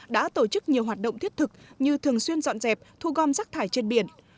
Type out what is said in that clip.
đoàn viên thanh niên đã tổ chức nhiều hoạt động thiết thực như thường xuyên dọn dẹp thu gom rác thải trên biển